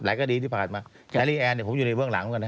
หลายคดีที่ผ่านมาแอลลี่แอนเนี่ยผมอยู่ในเบื้องหลังก่อนนะครับ